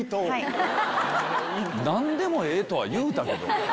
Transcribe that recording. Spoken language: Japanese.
何でもええとは言うたけど。